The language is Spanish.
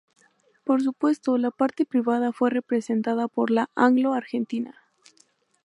Por supuesto, la parte privada fue representada por la Anglo Argentina.